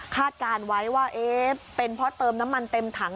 การไว้ว่าเป็นเพราะเติมน้ำมันเต็มถัง